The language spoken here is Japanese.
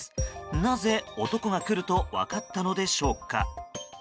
なぜ、男が来ると分かったのでしょうか。